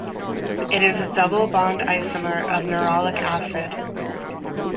It is a double bond isomer of nerolic acid.